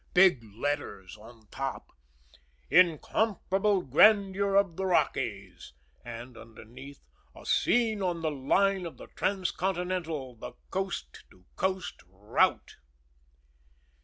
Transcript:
Big letters on top: "INCOMPARABLE GRANDEUR OF THE ROCKIES", and underneath: "A SCENE ON THE LINE OF THE TRANSCONTINENTAL THE COAST TO COAST ROUTE."